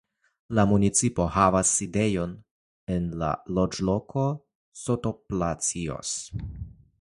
La municipo havas sidejon en la loĝloko Sotopalacios.